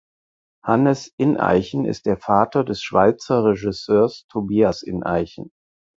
Hannes Ineichen ist der Vater des Schweizer Regisseurs Tobias Ineichen.